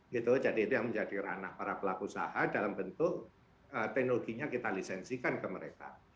gitu jadi itu yang menjadi ranah para pelaku usaha dalam bentuk teknologinya kita lisensikan ke mereka